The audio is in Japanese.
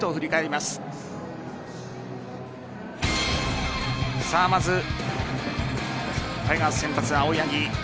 まずタイガース先発は青柳。